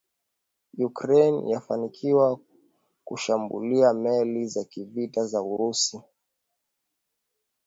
Ukraine yafanikiwa kuzishambulia meli za kivita za Urusi